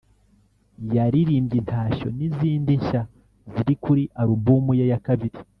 yaririmbye Intashyo n'izindi nshya ziri kuri album ye ya kabiri